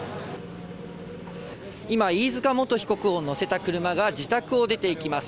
今、飯塚元被告を乗せた車が、自宅を出ていきます。